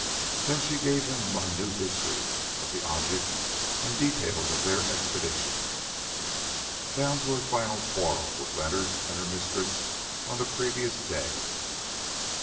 Then she gave him a minute history of the object and details of their expedition, down to her final quarrel with Leonard and her mistress on the previous day.